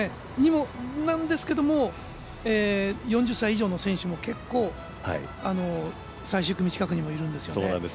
なんですけども、４０歳以上の選手も結構、最終組近くにもいるんですよね。